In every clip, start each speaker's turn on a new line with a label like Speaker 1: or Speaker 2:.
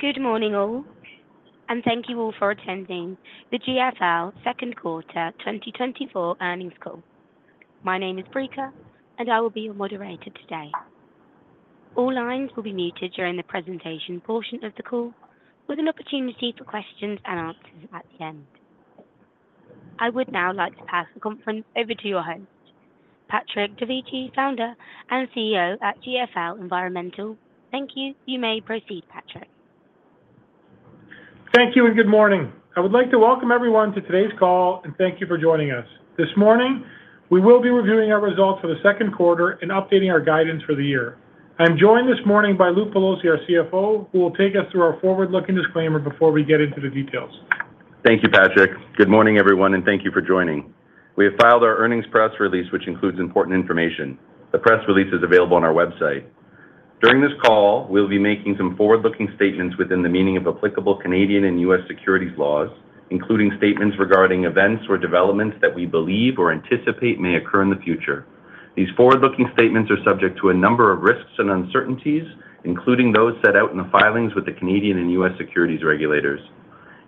Speaker 1: Good morning, all, and thank you all for attending the GFL Second Quarter 2024 earnings call. My name is Brika, and I will be your moderator today. All lines will be muted during the presentation portion of the call, with an opportunity for questions and answers at the end. I would now like to pass the conference over to your host, Patrick Dovigi, Founder and CEO at GFL Environmental. Thank you. You may proceed, Patrick.
Speaker 2: Thank you and good morning. I would like to welcome everyone to today's call and thank you for joining us. This morning, we will be reviewing our results for the second quarter and updating our guidance for the year. I am joined this morning by Luke Pelosi, our CFO, who will take us through our forward-looking disclaimer before we get into the details.
Speaker 3: Thank you, Patrick. Good morning, everyone, and thank you for joining. We have filed our earnings press release, which includes important information. The press release is available on our website. During this call, we'll be making some forward-looking statements within the meaning of applicable Canadian and U.S. securities laws, including statements regarding events or developments that we believe or anticipate may occur in the future. These forward-looking statements are subject to a number of risks and uncertainties, including those set out in the filings with the Canadian and U.S. securities regulators.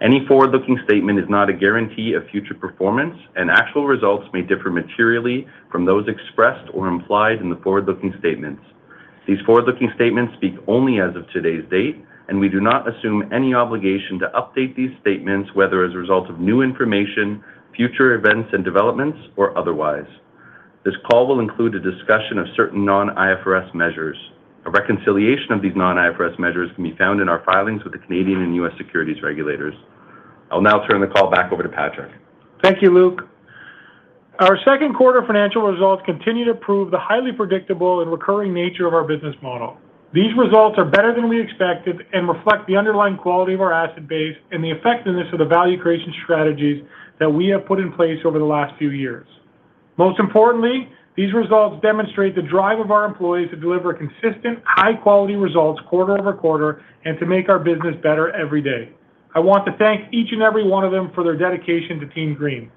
Speaker 3: Any forward-looking statement is not a guarantee of future performance, and actual results may differ materially from those expressed or implied in the forward-looking statements. These forward-looking statements speak only as of today's date, and we do not assume any obligation to update these statements, whether as a result of new information, future events and developments, or otherwise. This call will include a discussion of certain non-IFRS measures. A reconciliation of these non-IFRS measures can be found in our filings with the Canadian and U.S. securities regulators. I'll now turn the call back over to Patrick.
Speaker 2: Thank you, Luke. Our second quarter financial results continue to prove the highly predictable and recurring nature of our business model. These results are better than we expected and reflect the underlying quality of our asset base and the effectiveness of the value creation strategies that we have put in place over the last few years. Most importantly, these results demonstrate the drive of our employees to deliver consistent, high-quality results quarter over quarter and to make our business better every day. I want to thank each and every one of them for their dedication to Team Green.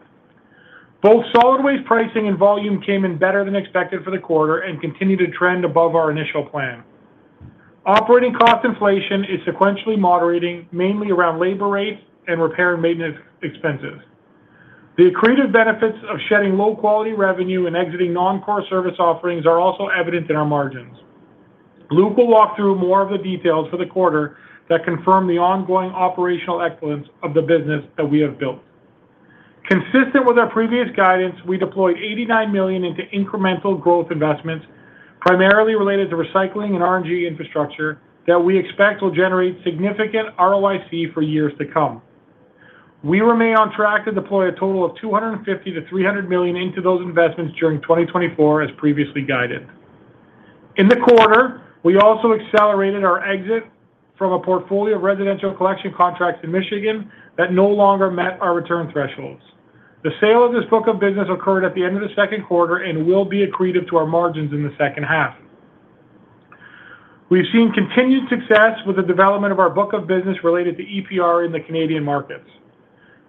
Speaker 2: Both solid waste pricing and volume came in better than expected for the quarter and continue to trend above our initial plan. Operating cost inflation is sequentially moderating, mainly around labor rates and repair and maintenance expenses. The accretive benefits of shedding low-quality revenue and exiting non-core service offerings are also evident in our margins. Luke will walk through more of the details for the quarter that confirm the ongoing operational excellence of the business that we have built. Consistent with our previous guidance, we deployed $89 million into incremental growth investments, primarily related to recycling and RNG infrastructure, that we expect will generate significant ROIC for years to come. We remain on track to deploy a total of $250-$300 million into those investments during 2024, as previously guided. In the quarter, we also accelerated our exit from a portfolio of residential collection contracts in Michigan that no longer met our return thresholds. The sale of this book of business occurred at the end of the second quarter and will be accretive to our margins in the second half. We've seen continued success with the development of our book of business related to EPR in the Canadian markets.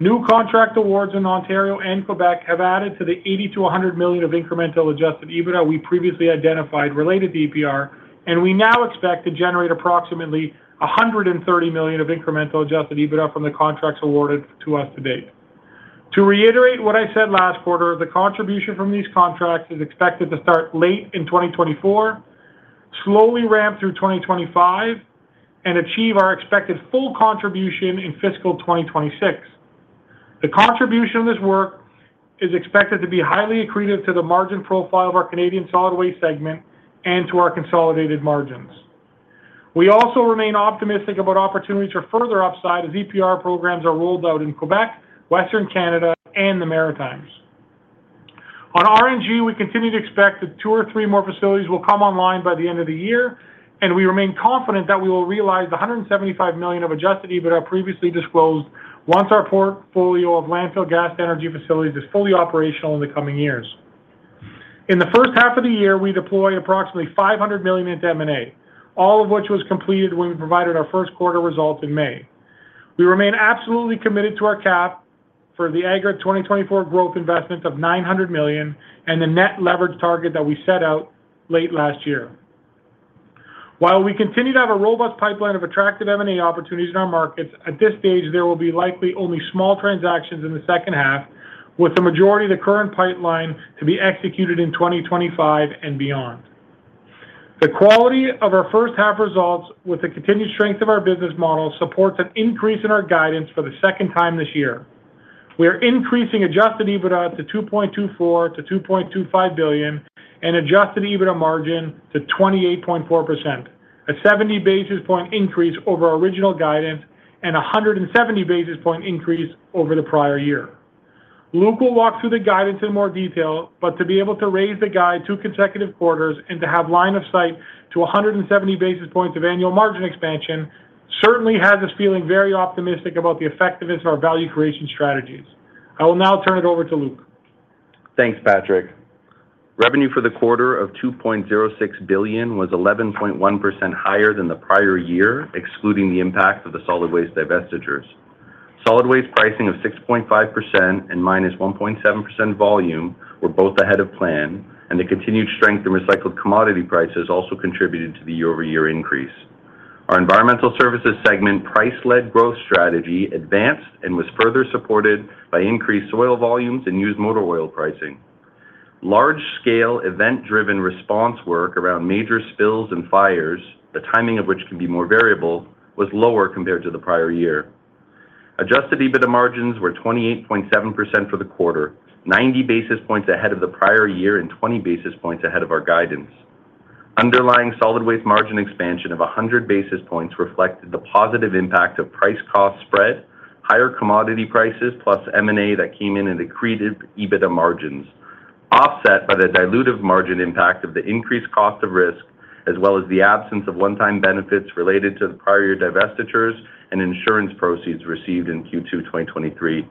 Speaker 2: New contract awards in Ontario and Quebec have added to the $80 million-$100 million of incremental adjusted EBITDA we previously identified related to EPR, and we now expect to generate approximately $130 million of incremental adjusted EBITDA from the contracts awarded to us to date. To reiterate what I said last quarter, the contribution from these contracts is expected to start late in 2024, slowly ramp through 2025, and achieve our expected full contribution in fiscal 2026. The contribution of this work is expected to be highly accretive to the margin profile of our Canadian solid waste segment and to our consolidated margins. We also remain optimistic about opportunities for further upside as EPR programs are rolled out in Quebec, Western Canada, and the Maritimes. On RNG, we continue to expect that two or three more facilities will come online by the end of the year, and we remain confident that we will realize the $175 million of adjusted EBITDA previously disclosed once our portfolio of landfill gas energy facilities is fully operational in the coming years. In the first half of the year, we deploy approximately $500 million into M&A, all of which was completed when we provided our first quarter results in May. We remain absolutely committed to our cap for the aggregate 2024 growth investment of $900 million and the net leverage target that we set out late last year. While we continue to have a robust pipeline of attractive M&A opportunities in our markets, at this stage, there will be likely only small transactions in the second half, with the majority of the current pipeline to be executed in 2025 and beyond. The quality of our first half results, with the continued strength of our business model, supports an increase in our guidance for the second time this year. We are increasing adjusted EBITDA to $2.24-$2.25 billion and adjusted EBITDA margin to 28.4%, a 70 basis points increase over our original guidance and a 170 basis points increase over the prior year. Luke will walk through the guidance in more detail, but to be able to raise the guide two consecutive quarters and to have line of sight to 170 basis points of annual margin expansion certainly has us feeling very optimistic about the effectiveness of our value creation strategies. I will now turn it over to Luke.
Speaker 3: Thanks, Patrick. Revenue for the quarter of $2.06 billion was 11.1% higher than the prior year, excluding the impact of the solid waste divestitures. Solid waste pricing of 6.5% and -1.7% volume were both ahead of plan, and the continued strength in recycled commodity prices also contributed to the year-over-year increase. Our environmental services segment price-led growth strategy advanced and was further supported by increased soil volumes and used motor oil pricing. Large-scale event-driven response work around major spills and fires, the timing of which can be more variable, was lower compared to the prior year. Adjusted EBITDA margins were 28.7% for the quarter, 90 basis points ahead of the prior year and 20 basis points ahead of our guidance. Underlying solid waste margin expansion of 100 basis points reflected the positive impact of price-cost spread, higher commodity prices plus M&A that came in and accretive EBITDA margins, offset by the dilutive margin impact of the increased cost of risk, as well as the absence of one-time benefits related to the prior divestitures and insurance proceeds received in Q2 2023.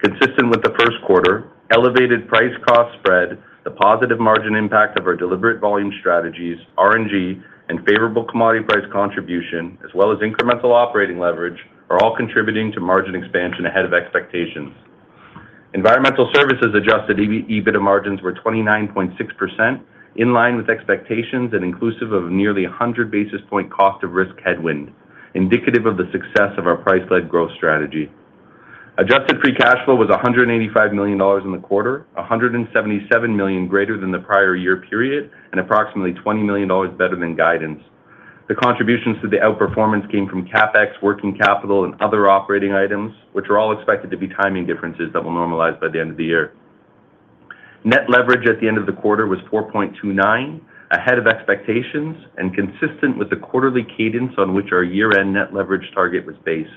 Speaker 3: Consistent with the first quarter, elevated price-cost spread, the positive margin impact of our deliberate volume strategies, RNG, and favorable commodity price contribution, as well as incremental operating leverage, are all contributing to margin expansion ahead of expectations. Environmental services adjusted EBITDA margins were 29.6%, in line with expectations and inclusive of nearly 100 basis point cost of risk headwind, indicative of the success of our price-led growth strategy. Adjusted free cash flow was $185 million in the quarter, $177 million greater than the prior year period, and approximately $20 million better than guidance. The contributions to the outperformance came from CapEx, working capital, and other operating items, which are all expected to be timing differences that will normalize by the end of the year. Net leverage at the end of the quarter was 4.29, ahead of expectations and consistent with the quarterly cadence on which our year-end net leverage target was based.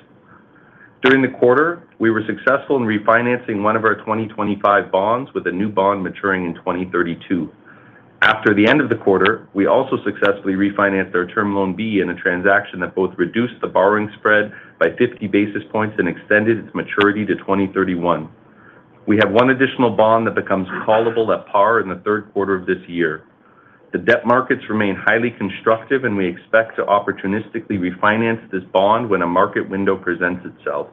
Speaker 3: During the quarter, we were successful in refinancing one of our 2025 bonds with a new bond maturing in 2032. After the end of the quarter, we also successfully refinanced our Term Loan B in a transaction that both reduced the borrowing spread by 50 basis points and extended its maturity to 2031. We have one additional bond that becomes callable at par in the third quarter of this year. The debt markets remain highly constructive, and we expect to opportunistically refinance this bond when a market window presents itself.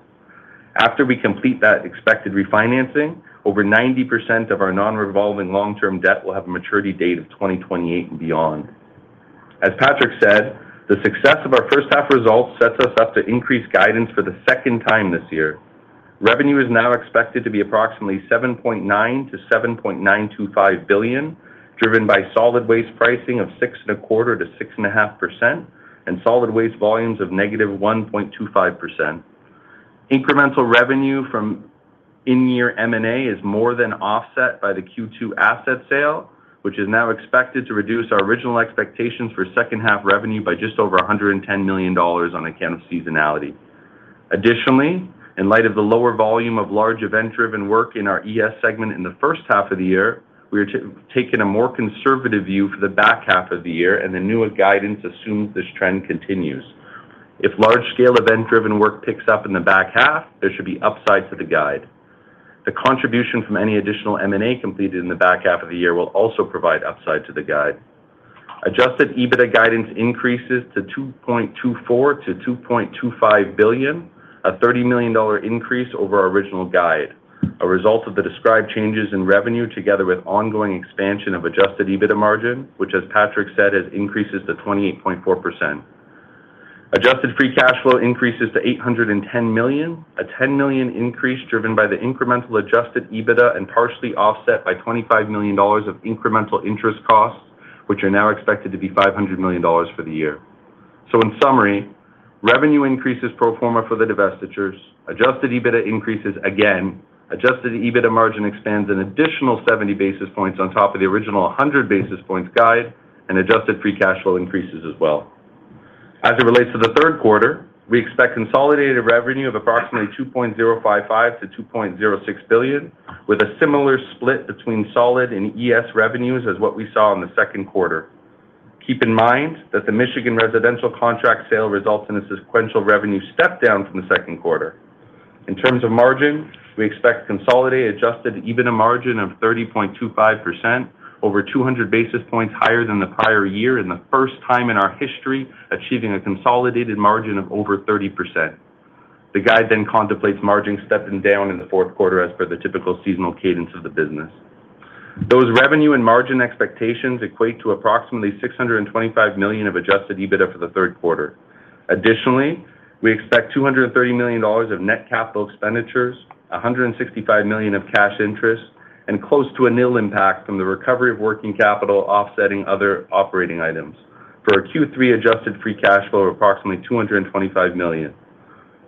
Speaker 3: After we complete that expected refinancing, over 90% of our non-revolving long-term debt will have a maturity date of 2028 and beyond. As Patrick said, the success of our first half results sets us up to increase guidance for the second time this year. Revenue is now expected to be approximately $7.9-$7.925 billion, driven by solid waste pricing of 6.25%-6.5% and solid waste volumes of -1.25%. Incremental revenue from in-year M&A is more than offset by the Q2 asset sale, which is now expected to reduce our original expectations for second half revenue by just over $110 million on account of seasonality. Additionally, in light of the lower volume of large event-driven work in our ES segment in the first half of the year, we are taking a more conservative view for the back half of the year, and the newer guidance assumes this trend continues. If large-scale event-driven work picks up in the back half, there should be upside to the guide. The contribution from any additional M&A completed in the back half of the year will also provide upside to the guide. Adjusted EBITDA guidance increases to $2.24-$2.25 billion, a $30 million increase over our original guide, a result of the described changes in revenue together with ongoing expansion of adjusted EBITDA margin, which, as Patrick said, increases to 28.4%. Adjusted free cash flow increases to $810 million, a $10 million increase driven by the incremental adjusted EBITDA and partially offset by $25 million of incremental interest costs, which are now expected to be $500 million for the year. So, in summary, revenue increases pro forma for the divestitures, adjusted EBITDA increases again, adjusted EBITDA margin expands an additional 70 basis points on top of the original 100 basis points guide, and adjusted free cash flow increases as well. As it relates to the third quarter, we expect consolidated revenue of approximately $2.055-$2.06 billion, with a similar split between solid and ES revenues as what we saw in the second quarter. Keep in mind that the Michigan residential contract sale results in a sequential revenue step down from the second quarter. In terms of margin, we expect consolidated adjusted EBITDA margin of 30.25%, over 200 basis points higher than the prior year and the first time in our history achieving a consolidated margin of over 30%. The guide then contemplates margin stepping down in the fourth quarter as per the typical seasonal cadence of the business. Those revenue and margin expectations equate to approximately $625 million of adjusted EBITDA for the third quarter. Additionally, we expect $230 million of net capital expenditures, $165 million of cash interest, and close to a nil impact from the recovery of working capital offsetting other operating items, for a Q3 adjusted free cash flow of approximately $225 million.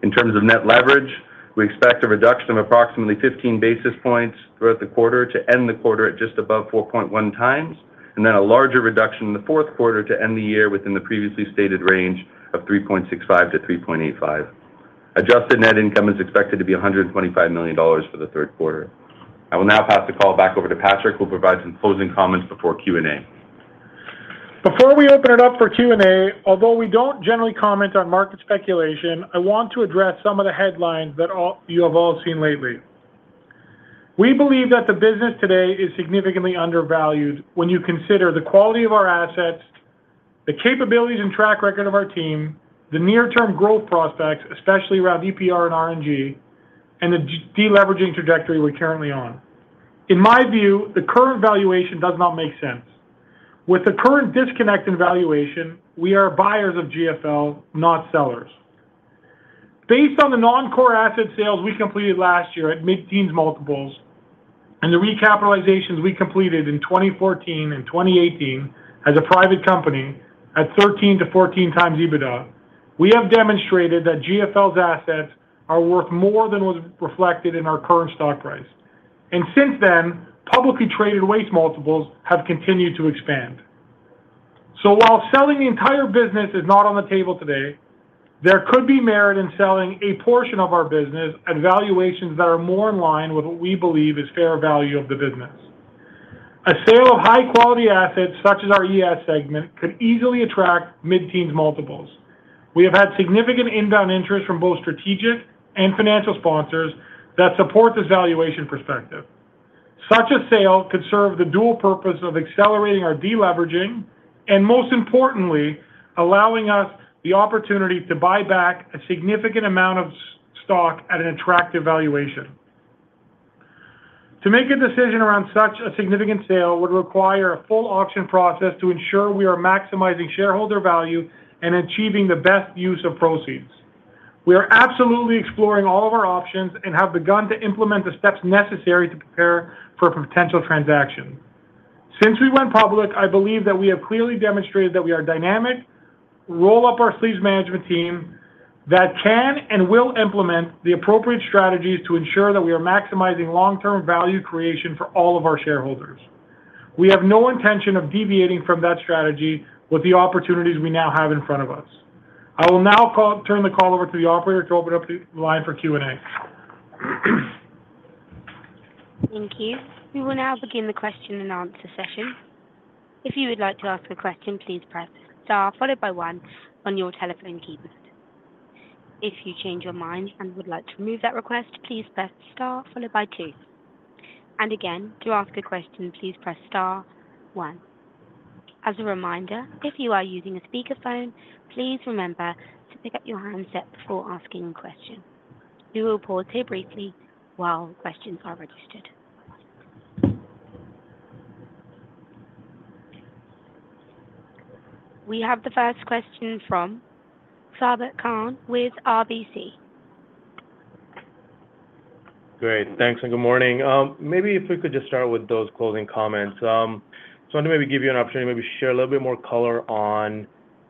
Speaker 3: In terms of net leverage, we expect a reduction of approximately 15 basis points throughout the quarter to end the quarter at just above 4.1 times, and then a larger reduction in the fourth quarter to end the year within the previously stated range of 3.65-3.85. Adjusted net income is expected to be $125 million for the third quarter. I will now pass the call back over to Patrick, who will provide some closing comments before Q&A.
Speaker 2: Before we open it up for Q&A, although we don't generally comment on market speculation, I want to address some of the headlines that you have all seen lately. We believe that the business today is significantly undervalued when you consider the quality of our assets, the capabilities and track record of our team, the near-term growth prospects, especially around EPR and RNG, and the deleveraging trajectory we're currently on. In my view, the current valuation does not make sense. With the current disconnect in valuation, we are buyers of GFL, not sellers. Based on the non-core asset sales we completed last year at mid-teens multiples and the recapitalizations we completed in 2014 and 2018 as a private company at 13x-14x EBITDA, we have demonstrated that GFL's assets are worth more than was reflected in our current stock price. Since then, publicly traded waste multiples have continued to expand. While selling the entire business is not on the table today, there could be merit in selling a portion of our business at valuations that are more in line with what we believe is fair value of the business. A sale of high-quality assets such as our ES segment could easily attract mid-teens multiples. We have had significant inbound interest from both strategic and financial sponsors that support this valuation perspective. Such a sale could serve the dual purpose of accelerating our deleveraging and, most importantly, allowing us the opportunity to buy back a significant amount of stock at an attractive valuation. To make a decision around such a significant sale would require a full auction process to ensure we are maximizing shareholder value and achieving the best use of proceeds. We are absolutely exploring all of our options and have begun to implement the steps necessary to prepare for a potential transaction. Since we went public, I believe that we have clearly demonstrated that we are dynamic, roll-up our sleeves management team that can and will implement the appropriate strategies to ensure that we are maximizing long-term value creation for all of our shareholders. We have no intention of deviating from that strategy with the opportunities we now have in front of us. I will now turn the call over to the operator to open up the line for Q&A.
Speaker 4: Thank you. We will now begin the question and answer session. If you would like to ask a question, please press star followed by one on your telephone keypad. If you change your mind and would like to remove that request, please press star followed by two. And again, to ask a question, please press star one. As a reminder, if you are using a speakerphone, please remember to pick up your handset before asking a question. We will pause here briefly while questions are registered. We have the first question from Sabahat Khan with RBC.
Speaker 5: Great. Thanks and good morning. Maybe if we could just start with those closing comments. So I want to maybe give you an opportunity to maybe share a little bit more color on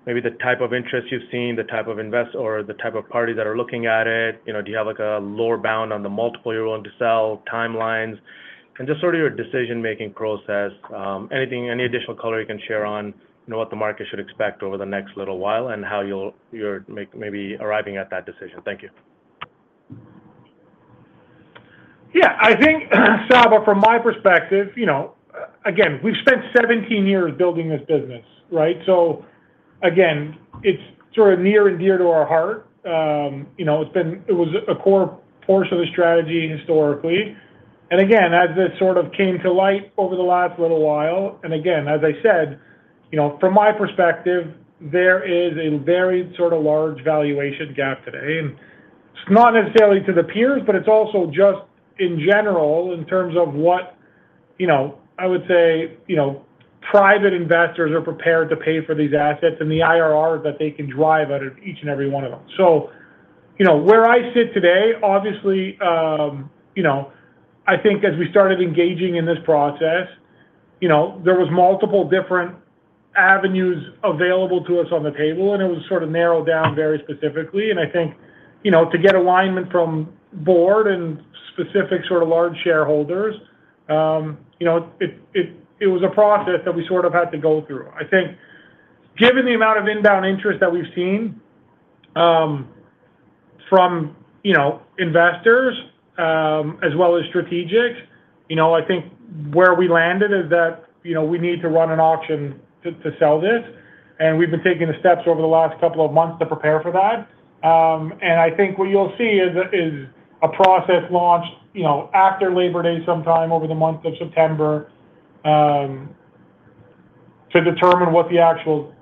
Speaker 5: maybe the type of interest you've seen, the type of investor or the type of parties that are looking at it. Do you have a lower bound on the multiple you're willing to sell, timelines, and just sort of your decision-making process? Any additional color you can share on what the market should expect over the next little while and how you're maybe arriving at that decision? Thank you.
Speaker 2: Yeah. I think, Saba, from my perspective, again, we've spent 17 years building this business, right? So again, it's sort of near and dear to our heart. It was a core portion of the strategy historically. And again, as this sort of came to light over the last little while, and again, as I said, from my perspective, there is a very sort of large valuation gap today. And it's not necessarily to the peers, but it's also just in general in terms of what I would say private investors are prepared to pay for these assets and the IRR that they can drive out of each and every one of them. So where I sit today, obviously, I think as we started engaging in this process, there were multiple different avenues available to us on the table, and it was sort of narrowed down very specifically. I think to get alignment from board and specific sort of large shareholders, it was a process that we sort of had to go through. I think given the amount of inbound interest that we've seen from investors as well as strategics, I think where we landed is that we need to run an auction to sell this. We've been taking the steps over the last couple of months to prepare for that. I think what you'll see is a process launched after Labor Day sometime over the month of September to determine what the actual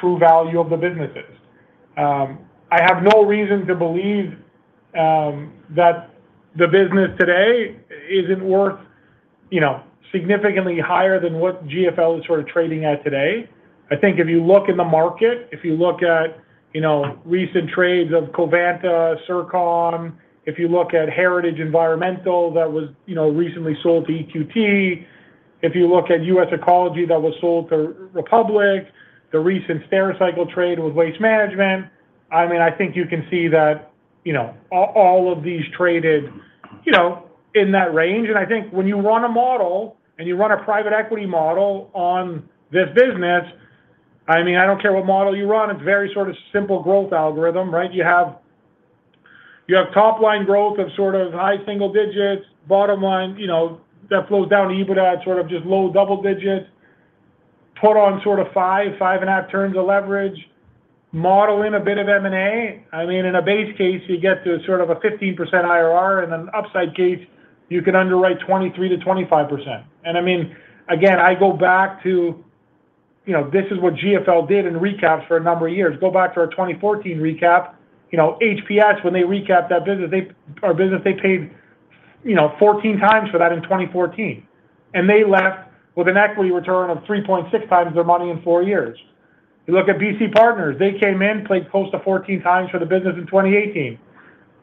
Speaker 2: true value of the business is. I have no reason to believe that the business today isn't worth significantly higher than what GFL is sort of trading at today. I think if you look in the market, if you look at recent trades of Covanta, Circon, if you look at Heritage Environmental that was recently sold to EQT, if you look at U.S. Ecology that was sold to Republic, the recent Stericycle trade with Waste Management, I mean, I think you can see that all of these traded in that range. I think when you run a model and you run a private equity model on this business, I mean, I don't care what model you run, it's very sort of simple growth algorithm, right? You have top-line growth of sort of high single digits, bottom line that flows down to EBITDA at sort of just low double digits, put on sort of 5, 5.5 turns of leverage, model in a bit of M&A. I mean, in a base case, you get to sort of a 15% IRR, and in an upside case, you can underwrite 23%-25%. And I mean, again, I go back to this is what GFL did in recaps for a number of years. Go back to our 2014 recap. HPS, when they recapped that business, our business, they paid 14x for that in 2014. And they left with an equity return of 3.6x their money in four years. You look at BC Partners, they came in, played close to 14x for the business in 2018.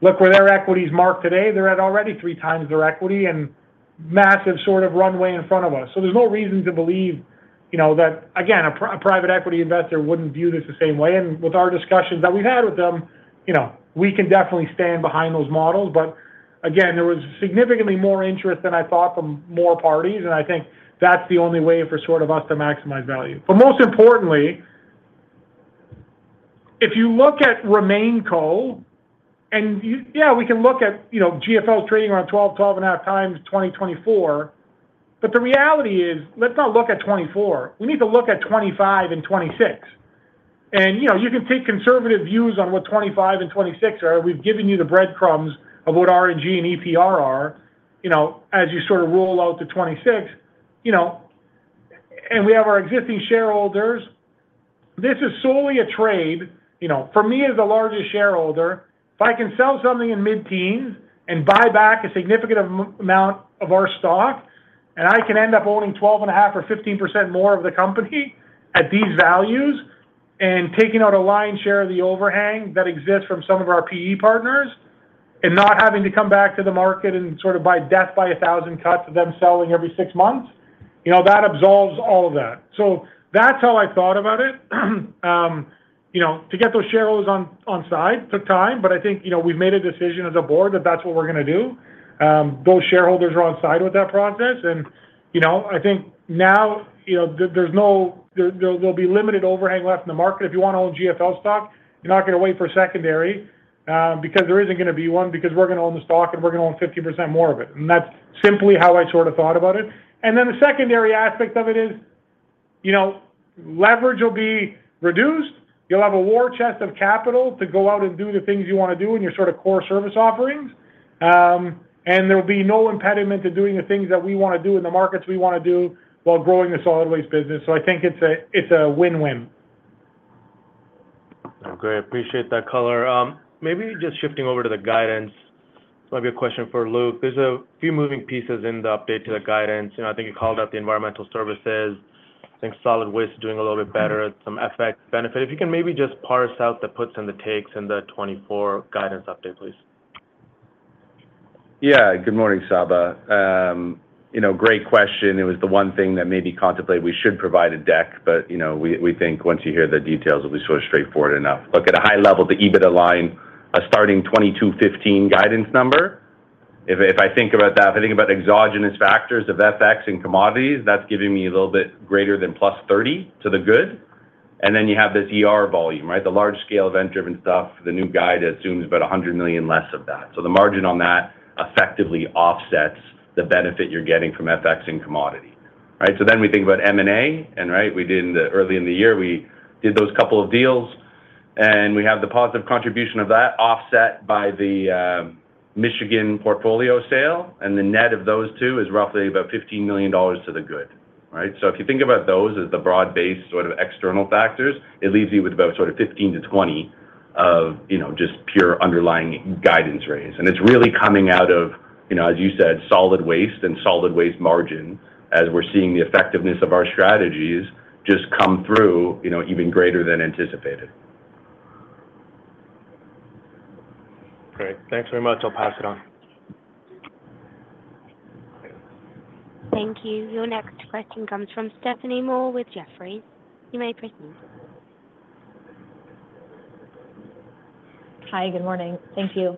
Speaker 2: Look where their equity is marked today. They're at already 3x their equity and massive sort of runway in front of us. So there's no reason to believe that, again, a private equity investor wouldn't view this the same way. And with our discussions that we've had with them, we can definitely stand behind those models. But again, there was significantly more interest than I thought from more parties, and I think that's the only way for sort of us to maximize value. But most importantly, if you look at RemainCo, and yeah, we can look at GFL's trading around 12-12.5 times 2024, but the reality is let's not look at 2024. We need to look at 2025 and 2026. And you can take conservative views on what 2025 and 2026 are. We've given you the breadcrumbs of what RNG and EPR are as you sort of roll out to 2026. And we have our existing shareholders. This is solely a trade. For me, as the largest shareholder, if I can sell something in mid-teens and buy back a significant amount of our stock, and I can end up owning 12.5 or 15% more of the company at these values and taking out a lion's share of the overhang that exists from some of our PE partners and not having to come back to the market and sort of by death by a thousand cuts of them selling every six months, that absolves all of that. So that's how I thought about it. To get those shareholders on side took time, but I think we've made a decision as a board that that's what we're going to do. Those shareholders are on side with that process. I think now there'll be limited overhang left in the market. If you want to own GFL stock, you're not going to wait for a secondary because there isn't going to be one because we're going to own the stock and we're going to own 50% more of it. And that's simply how I sort of thought about it. And then the secondary aspect of it is leverage will be reduced. You'll have a war chest of capital to go out and do the things you want to do in your sort of core service offerings. And there will be no impediment to doing the things that we want to do in the markets we want to do while growing the solid waste business. So I think it's a win-win.
Speaker 5: Great. Appreciate that color. Maybe just shifting over to the guidance, maybe a question for Luke. There's a few moving pieces in the update to the guidance. I think you called out the environmental services. I think solid waste is doing a little bit better, some FX benefit. If you can maybe just parse out the puts and the takes in the 2024 guidance update, please.
Speaker 3: Yeah. Good morning, Saba. Great question. It was the one thing that maybe contemplated we should provide a deck, but we think once you hear the details, it'll be sort of straightforward enough. Look at a high level, the EBITDA line, a starting $221.5 million guidance number. If I think about that, if I think about exogenous factors of FX and commodities, that's giving me a little bit greater than +$30 million to the good. And then you have this volume, right? The large scale event-driven stuff, the new guide assumes about $100 million less of that. So the margin on that effectively offsets the benefit you're getting from FX and commodity, right? So then we think about M&A, and right, early in the year, we did those couple of deals. We have the positive contribution of that offset by the Michigan portfolio sale, and the net of those two is roughly about $15 million to the good, right? If you think about those as the broad-based sort of external factors, it leaves you with about sort of $15-$20 of just pure underlying guidance raise. It's really coming out of, as you said, solid waste and solid waste margin as we're seeing the effectiveness of our strategies just come through even greater than anticipated.
Speaker 5: Great. Thanks very much. I'll pass it on.
Speaker 4: Thank you. Your next question comes from Stephanie Moore with Jefferies. You may proceed.
Speaker 6: Hi. Good morning. Thank you.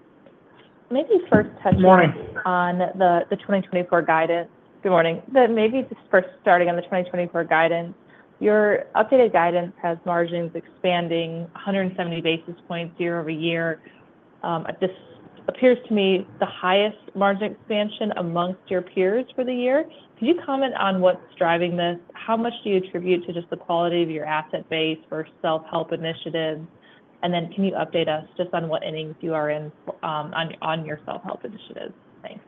Speaker 6: Maybe first touch on.
Speaker 2: Good morning.
Speaker 6: On the 2024 guidance. Good morning. Maybe just first starting on the 2024 guidance, your updated guidance has margins expanding 170 basis points year-over-year. This appears to me the highest margin expansion among your peers for the year. Could you comment on what's driving this? How much do you attribute to just the quality of your asset base for self-help initiatives? And then can you update us just on what innings you are in on your self-help initiatives? Thanks.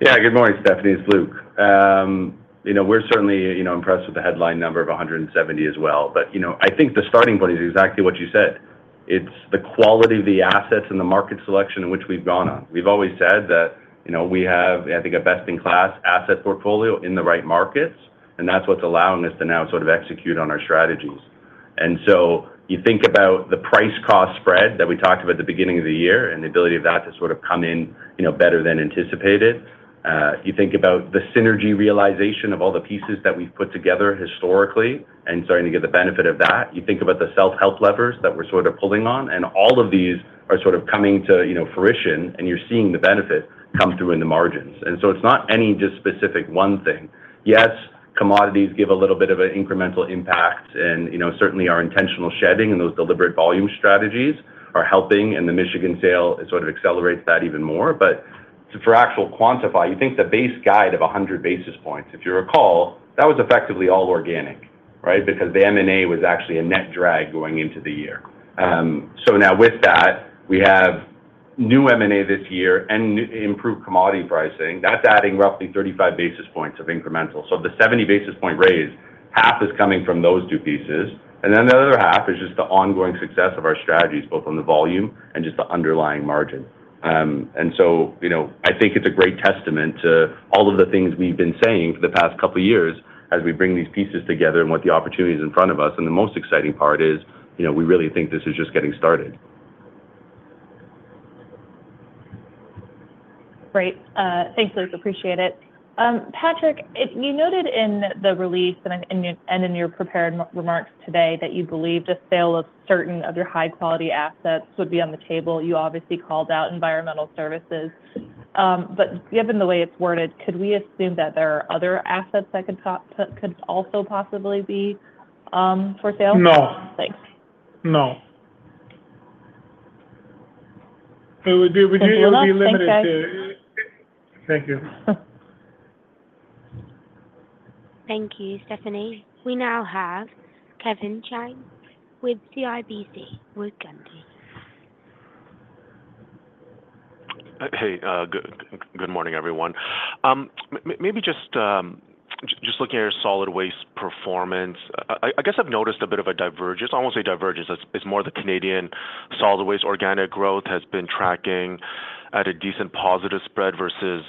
Speaker 3: Yeah. Good morning, Stephanie. It's Luke. We're certainly impressed with the headline number of $170 as well. But I think the starting point is exactly what you said. It's the quality of the assets and the market selection in which we've gone on. We've always said that we have, I think, a best-in-class asset portfolio in the right markets, and that's what's allowing us to now sort of execute on our strategies. So you think about the price-cost spread that we talked about at the beginning of the year and the ability of that to sort of come in better than anticipated. You think about the synergy realization of all the pieces that we've put together historically and starting to get the benefit of that. You think about the self-help levers that we're sort of pulling on, and all of these are sort of coming to fruition, and you're seeing the benefit come through in the margins. So it's not just any specific one thing. Yes, commodities give a little bit of an incremental impact, and certainly our intentional shedding and those deliberate volume strategies are helping, and the Michigan sale sort of accelerates that even more. But to actually quantify, you think the base guide of 100 basis points, if you recall, that was effectively all organic, right? Because the M&A was actually a net drag going into the year. So now with that, we have new M&A this year and improved commodity pricing. That's adding roughly 35 basis points of incremental. So the 70 basis point raise, half is coming from those two pieces, and then the other half is just the ongoing success of our strategies, both on the volume and just the underlying margin. And so I think it's a great testament to all of the things we've been saying for the past couple of years as we bring these pieces together and what the opportunity is in front of us. And the most exciting part is we really think this is just getting started.
Speaker 6: Great. Thanks, Luke. Appreciate it. Patrick, you noted in the release and in your prepared remarks today that you believe the sale of certain of your high-quality assets would be on the table. You obviously called out environmental services. But given the way it's worded, could we assume that there are other assets that could also possibly be for sale?
Speaker 2: No.
Speaker 6: Thanks.
Speaker 2: No. Would you be limited to? Thank you.
Speaker 4: Thank you, Stephanie. We now have Kevin Chiang with CIBC, Luke Pelosi.
Speaker 7: Hey. Good morning, everyone. Maybe just looking at your solid waste performance, I guess I've noticed a bit of a divergence. I won't say divergence. It's more the Canadian solid waste organic growth has been tracking at a decent positive spread versus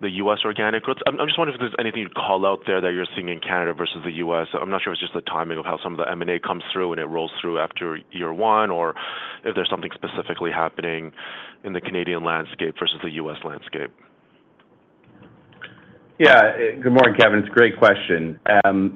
Speaker 7: the U.S. organic growth. I'm just wondering if there's anything you'd call out there that you're seeing in Canada versus the U.S. I'm not sure if it's just the timing of how some of the M&A comes through and it rolls through after year one or if there's something specifically happening in the Canadian landscape versus the U.S. landscape.
Speaker 3: Yeah. Good morning, Kevin. It's a great question.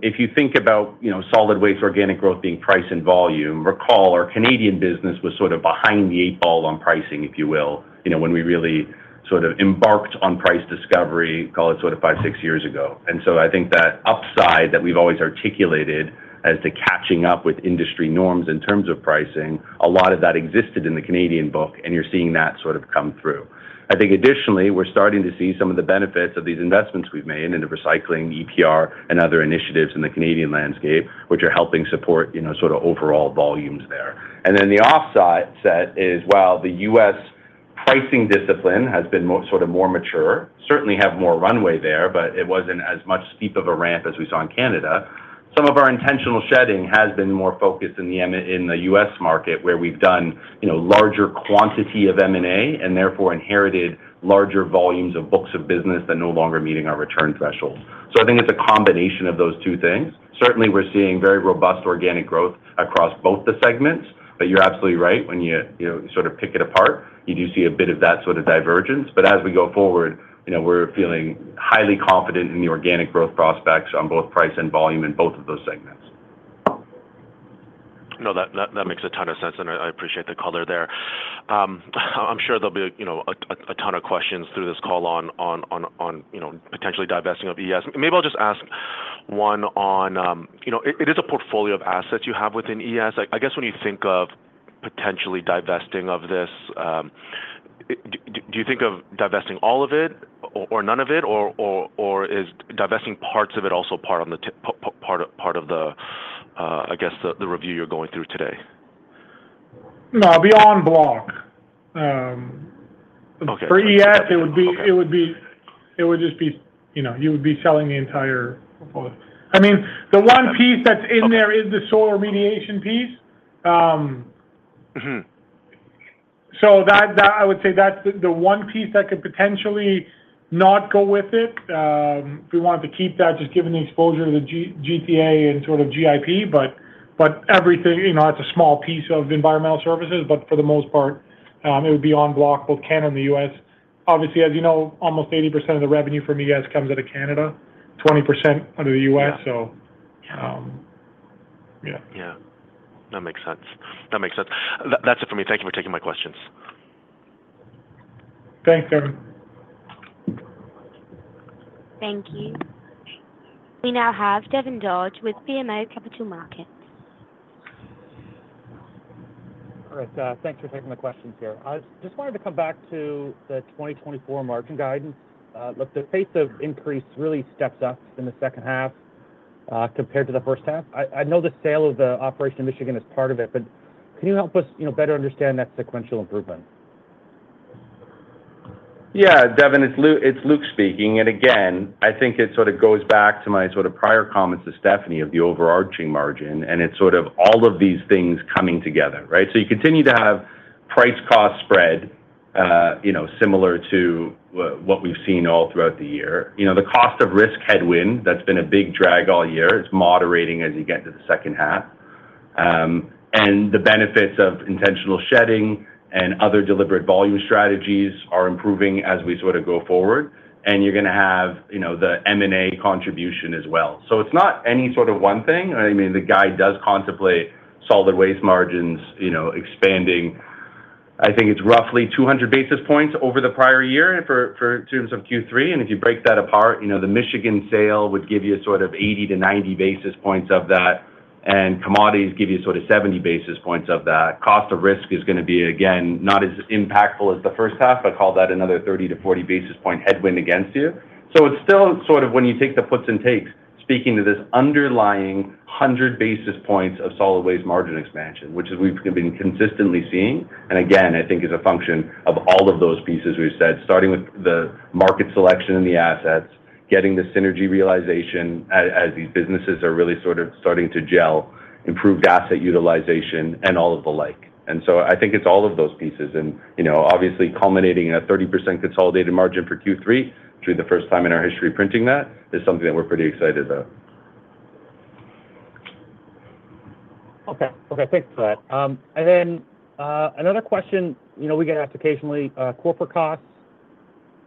Speaker 3: If you think about solid waste organic growth being price and volume, recall our Canadian business was sort of behind the eight ball on pricing, if you will, when we really sort of embarked on price discovery, call it sort of 5, 6 years ago. And so I think that upside that we've always articulated as to catching up with industry norms in terms of pricing, a lot of that existed in the Canadian book, and you're seeing that sort of come through. I think additionally, we're starting to see some of the benefits of these investments we've made into recycling, EPR, and other initiatives in the Canadian landscape, which are helping support sort of overall volumes there. Then the offset is, well, the US pricing discipline has been sort of more mature, certainly have more runway there, but it wasn't as much steep of a ramp as we saw in Canada. Some of our intentional shedding has been more focused in the US market where we've done larger quantity of M&A and therefore inherited larger volumes of books of business that are no longer meeting our return thresholds. So I think it's a combination of those two things. Certainly, we're seeing very robust organic growth across both the segments, but you're absolutely right. When you sort of pick it apart, you do see a bit of that sort of divergence. But as we go forward, we're feeling highly confident in the organic growth prospects on both price and volume in both of those segments. No, that makes a ton of sense, and I appreciate the color there. I'm sure there'll be a ton of questions through this call on potentially divesting of ES. Maybe I'll just ask one on it. Is a portfolio of assets you have within ES. I guess when you think of potentially divesting of this, do you think of divesting all of it or none of it, or is divesting parts of it also part of the, I guess, the review you're going through today?
Speaker 2: No, en bloc. For ES, it would just be you would be selling the entire portfolio. I mean, the one piece that's in there is the soil remediation piece. So I would say that's the one piece that could potentially not go with it. If we wanted to keep that, just given the exposure to the GTA and sort of GIP, but everything, that's a small piece of environmental services, but for the most part, it would be en bloc, both Canada and the US. Obviously, as you know, almost 80% of the revenue from ES comes out of Canada, 20% out of the US, so yeah.
Speaker 7: Yeah. That makes sense. That makes sense. That's it for me. Thank you for taking my questions.
Speaker 2: Thanks, Kevin.
Speaker 4: Thank you. We now have Devin Dodge with BMO Capital Markets.
Speaker 8: All right. Thanks for taking the questions here. I just wanted to come back to the 2024 margin guidance. The pace of increase really steps up in the second half compared to the first half. I know the sale of the operation in Michigan is part of it, but can you help us better understand that sequential improvement?
Speaker 3: Yeah. Devin, it's Luke speaking. And again, I think it sort of goes back to my sort of prior comments to Stephanie of the overarching margin, and it's sort of all of these things coming together, right? So you continue to have price-cost spread similar to what we've seen all throughout the year. The cost of risk headwind that's been a big drag all year is moderating as you get to the second half. And the benefits of intentional shedding and other deliberate volume strategies are improving as we sort of go forward. And you're going to have the M&A contribution as well. So it's not any sort of one thing. I mean, the guide does contemplate solid waste margins expanding. I think it's roughly 200 basis points over the prior year in terms of Q3. If you break that apart, the Michigan sale would give you sort of 80-90 basis points of that, and commodities give you sort of 70 basis points of that. Cost of risk is going to be, again, not as impactful as the first half, but call that another 30-40 basis point headwind against you. So it's still sort of when you take the puts and takes, speaking to this underlying 100 basis points of solid waste margin expansion, which we've been consistently seeing, and again, I think is a function of all of those pieces we've said, starting with the market selection and the assets, getting the synergy realization as these businesses are really sort of starting to gel, improved asset utilization, and all of the like. And so I think it's all of those pieces. Obviously, culminating at a 30% consolidated margin for Q3, which would be the first time in our history printing that, is something that we're pretty excited about.
Speaker 8: Okay. Okay. Thanks for that. Then another question we get occasionally, corporate costs.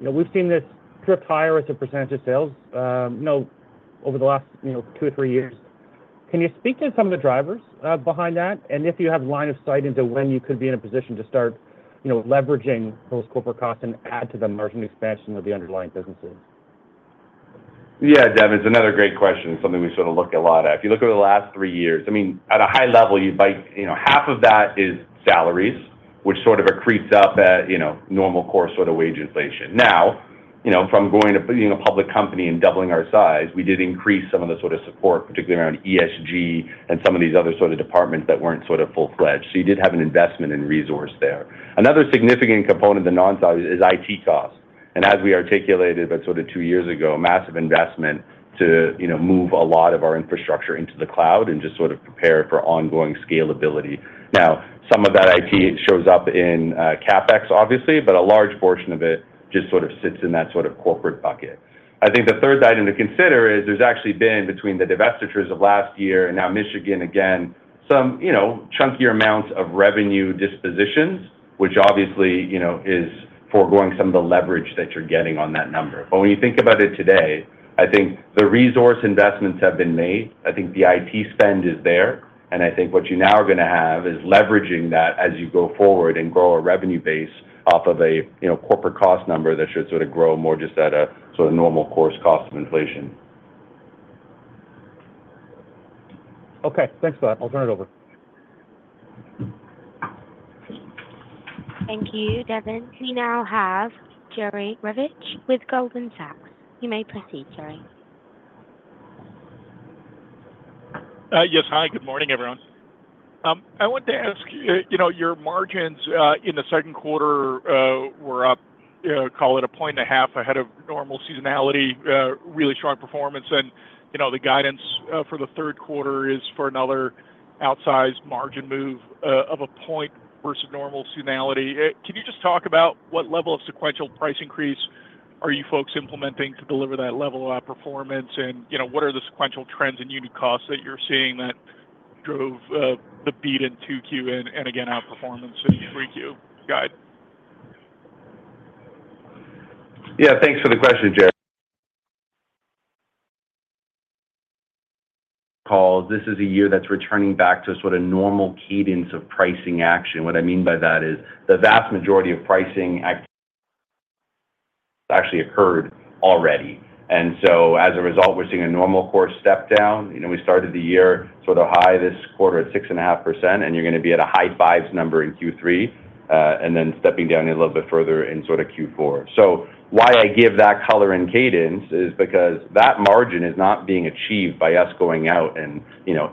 Speaker 8: We've seen this trend higher as a percentage of sales over the last two or three years. Can you speak to some of the drivers behind that? And if you have a line of sight into when you could be in a position to start leveraging those corporate costs and add to the margin expansion of the underlying businesses?
Speaker 3: Yeah, Devin, it's another great question. It's something we sort of look a lot at. If you look over the last 3 years, I mean, at a high level, half of that is salaries, which sort of accretes up at normal course sort of wage inflation. Now, from going to being a public company and doubling our size, we did increase some of the sort of support, particularly around ESG and some of these other sort of departments that weren't sort of full-fledged. So you did have an investment and resource there. Another significant component of the non-salaries is IT costs. And as we articulated about sort of 2 years ago, massive investment to move a lot of our infrastructure into the cloud and just sort of prepare for ongoing scalability. Now, some of that IT shows up in CapEx, obviously, but a large portion of it just sort of sits in that sort of corporate bucket. I think the third item to consider is there's actually been between the divestitures of last year and now Michigan, again, some chunkier amounts of revenue dispositions, which obviously is foregoing some of the leverage that you're getting on that number. But when you think about it today, I think the resource investments have been made. I think the IT spend is there. And I think what you now are going to have is leveraging that as you go forward and grow a revenue base off of a corporate cost number that should sort of grow more just at a sort of normal course cost of inflation.
Speaker 8: Okay. Thanks for that. I'll turn it over.
Speaker 4: Thank you, Devin. We now have Jerry Revich with Goldman Sachs. You may proceed, Jerry.
Speaker 9: Yes. Hi, good morning, everyone. I wanted to ask, your margins in the second quarter were up, call it 1.5 points ahead of normal seasonality, really strong performance. The guidance for the third quarter is for another outsized margin move of 1 point versus normal seasonality. Can you just talk about what level of sequential price increase are you folks implementing to deliver that level of outperformance? And what are the sequential trends in unit costs that you're seeing that drove the beat in 2Q and again, outperformance in 3Q guide?
Speaker 3: Yeah. Thanks for the question, Jerry. Calls, this is a year that's returning back to sort of normal cadence of pricing action. What I mean by that is the vast majority of pricing actually occurred already. So as a result, we're seeing a normal course step down. We started the year sort of high this quarter at 6.5%, and you're going to be at a high 5s% number in Q3, and then stepping down a little bit further in sort of Q4. So why I give that color and cadence is because that margin is not being achieved by us going out and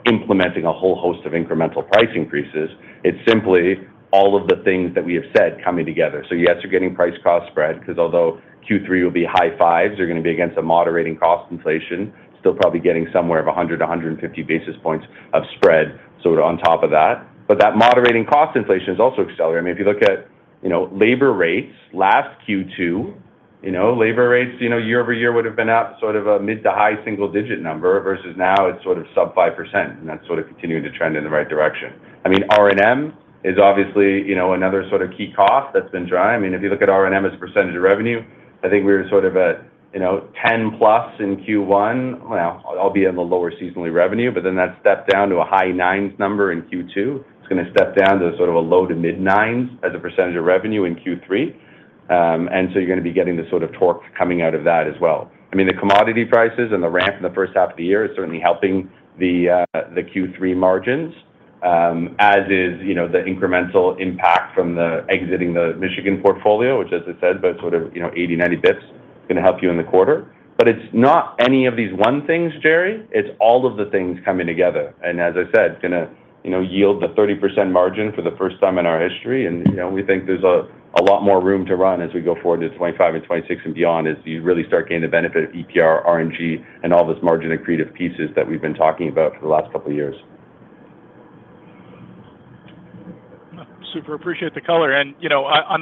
Speaker 3: implementing a whole host of incremental price increases. It's simply all of the things that we have said coming together. So yes, you're getting price-cost spread because although Q3 will be high 5s, you're going to be against a moderating cost inflation, still probably getting somewhere of 100-150 basis points of spread sort of on top of that. But that moderating cost inflation is also accelerating. I mean, if you look at labor rates last Q2, labor rates year-over-year would have been at sort of a mid-to-high single-digit number versus now it's sort of sub-5%, and that's sort of continuing to trend in the right direction. I mean, R&M is obviously another sort of key cost that's been dry. I mean, if you look at R&M as percentage of revenue, I think we were sort of at 10+ in Q1, albeit in the lower seasonally revenue, but then that stepped down to a high 9s number in Q2. It's going to step down to sort of a low- to mid-9s% of revenue in Q3. So you're going to be getting the sort of torque coming out of that as well. I mean, the commodity prices and the ramp in the first half of the year is certainly helping the Q3 margins, as is the incremental impact from exiting the Michigan portfolio, which, as I said, by sort of 80-90 bps, is going to help you in the quarter. But it's not any of these one things, Jerry. It's all of the things coming together. And as I said, it's going to yield the 30% margin for the first time in our history. We think there's a lot more room to run as we go forward to 2025 and 2026 and beyond as you really start getting the benefit of EPR, RNG, and all this margin and creative pieces that we've been talking about for the last couple of years.
Speaker 9: Super. Appreciate the color. On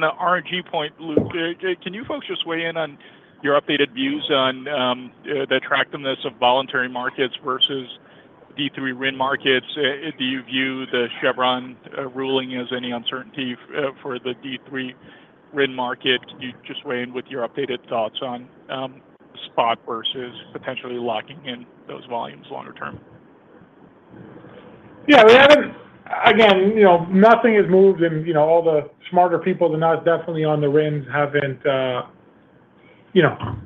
Speaker 9: the RNG point, Luke, can you folks just weigh in on your updated views on the attractiveness of voluntary markets versus D3 RIN markets? Do you view the Chevron ruling as any uncertainty for the D3 RIN market? Can you just weigh in with your updated thoughts on spot versus potentially locking in those volumes longer term?
Speaker 2: Yeah. Again, nothing has moved, and all the smarter people than us definitely on the RINs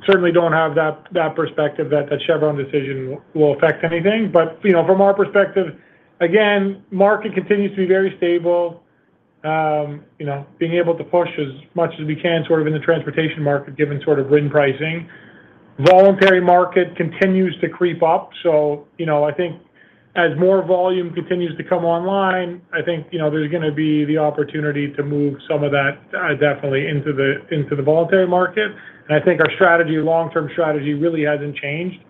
Speaker 2: certainly don't have that perspective that the Chevron decision will affect anything. But from our perspective, again, market continues to be very stable, being able to push as much as we can sort of in the transportation market given sort of RIN pricing. Voluntary market continues to creep up. So I think as more volume continues to come online, I think there's going to be the opportunity to move some of that definitely into the voluntary market. And I think our strategy, long-term strategy, really hasn't changed.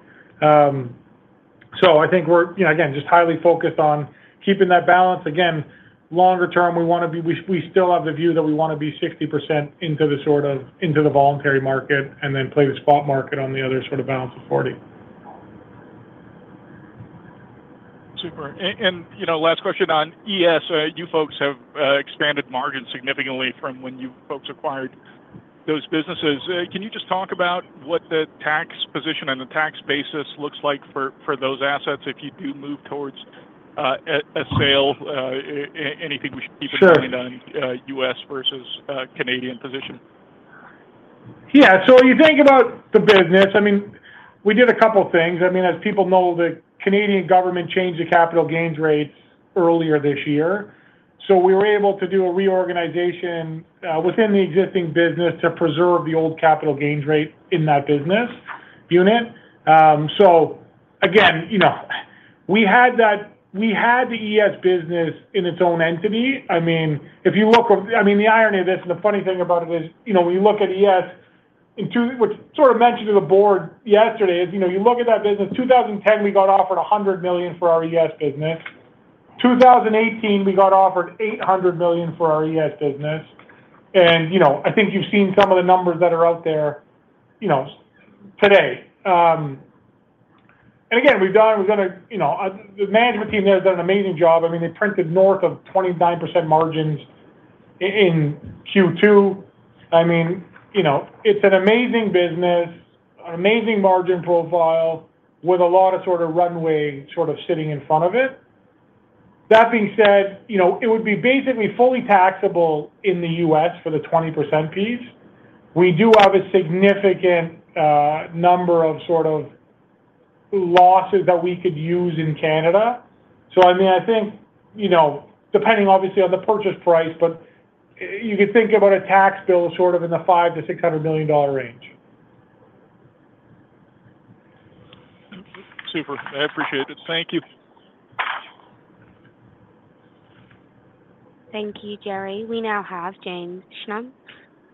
Speaker 2: So I think we're, again, just highly focused on keeping that balance. Again, longer term, we still have the view that we want to be 60% into the sort of voluntary market and then play the spot market on the other sort of balance of 40%.
Speaker 9: Super. And last question on ES, you folks have expanded margin significantly from when you folks acquired those businesses. Can you just talk about what the tax position and the tax basis looks like for those assets if you do move towards a sale? Anything we should keep in mind on U.S. versus Canadian position?
Speaker 2: Yeah. So you think about the business, I mean, we did a couple of things. I mean, as people know, the Canadian government changed the capital gains rate earlier this year. So we were able to do a reorganization within the existing business to preserve the old capital gains rate in that business unit. So again, we had the ES business in its own entity. I mean, if you look at, I mean, the irony of this and the funny thing about it is when you look at ES, which sort of mentioned to the board yesterday, is you look at that business, 2010, we got offered 100 million for our ES business. 2018, we got offered 800 million for our ES business. And I think you've seen some of the numbers that are out there today. And again, we've got the management team there has done an amazing job. I mean, they printed north of 29% margins in Q2. I mean, it's an amazing business, an amazing margin profile with a lot of sort of runway sort of sitting in front of it. That being said, it would be basically fully taxable in the US for the 20% piece. We do have a significant number of sort of losses that we could use in Canada. So I mean, I think depending obviously on the purchase price, but you could think about a tax bill sort of in the $5 million-$600 million range.
Speaker 9: Super. I appreciate it. Thank you.
Speaker 4: Thank you, Jerry. We now have James Schumm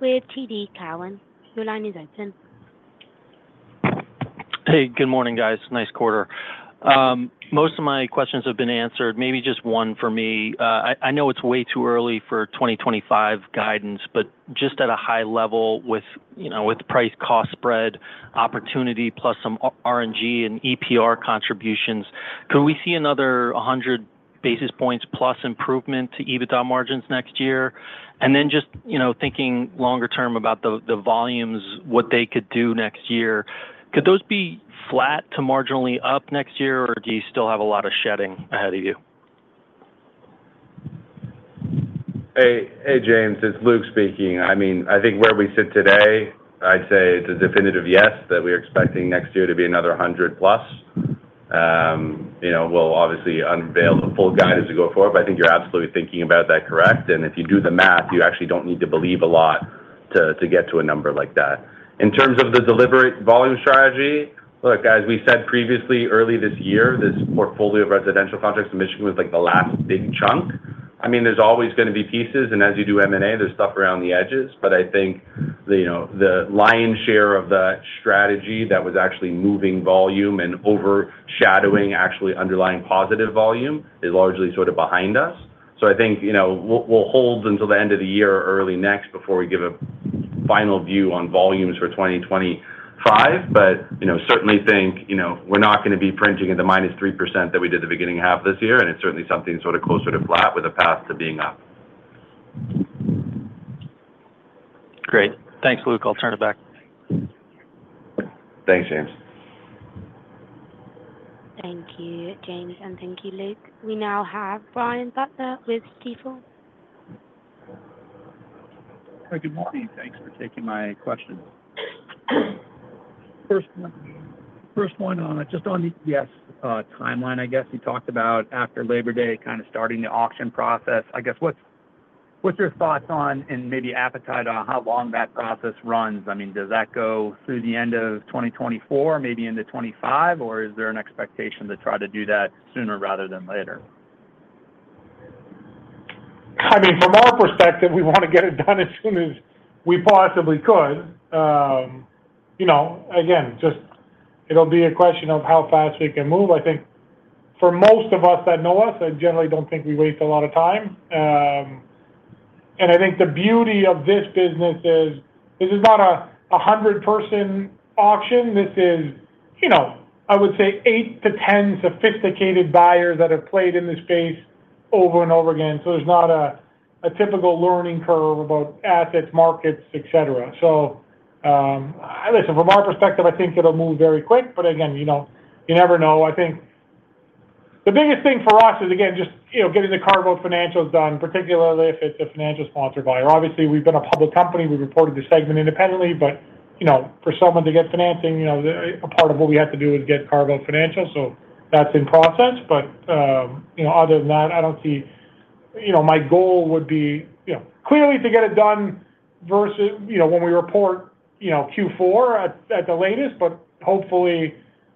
Speaker 4: with TD Cowen. Your line is open.
Speaker 10: Hey, good morning, guys. Nice quarter. Most of my questions have been answered. Maybe just one for me. I know it's way too early for 2025 guidance, but just at a high level with price-cost spread opportunity plus some RNG and EPR contributions, could we see another 100 basis points plus improvement to EBITDA margins next year? And then just thinking longer term about the volumes, what they could do next year, could those be flat to marginally up next year, or do you still have a lot of shedding ahead of you?
Speaker 3: Hey, James, it's Luke speaking. I mean, I think where we sit today, I'd say it's a definitive yes that we're expecting next year to be another 100-plus. We'll obviously unveil the full guide as we go forward, but I think you're absolutely thinking about that correct. And if you do the math, you actually don't need to believe a lot to get to a number like that. In terms of the deliberate volume strategy, look, as we said previously, early this year, this portfolio of residential contracts in Michigan was like the last big chunk. I mean, there's always going to be pieces, and as you do M&A, there's stuff around the edges. But I think the lion's share of the strategy that was actually moving volume and overshadowing actually underlying positive volume is largely sort of behind us. So I think we'll hold until the end of the year or early next before we give a final view on volumes for 2025, but certainly think we're not going to be printing at the -3% that we did the beginning half of this year, and it's certainly something sort of closer to flat with a path to being up.
Speaker 10: Great. Thanks, Luke. I'll turn it back.
Speaker 3: Thanks, James.
Speaker 4: Thank you, James, and thank you, Luke. We now have Brian Butler with Stifel.
Speaker 11: Hi, good morning. Thanks for taking my question. First one, just on the ES timeline, I guess you talked about after Labor Day kind of starting the auction process. I guess what's your thoughts on and maybe appetite on how long that process runs? I mean, does that go through the end of 2024, maybe into 2025, or is there an expectation to try to do that sooner rather than later?
Speaker 2: I mean, from our perspective, we want to get it done as soon as we possibly could. Again, just it'll be a question of how fast we can move. I think for most of us that know us, I generally don't think we waste a lot of time. And I think the beauty of this business is this is not a 100-person auction. This is, I would say, 8-10 sophisticated buyers that have played in this space over and over again. So there's not a typical learning curve about assets, markets, etc. So listen, from our perspective, I think it'll move very quick, but again, you never know. I think the biggest thing for us is, again, just getting the carve-out financials done, particularly if it's a financial sponsored buyer. Obviously, we've been a public company. We reported the segment independently, but for someone to get financing, a part of what we have to do is get carve-out financials. So that's in process. But other than that, I don't see my goal would be clearly to get it done when we report Q4 at the latest, but hopefully